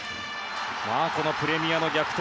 プレミアの逆転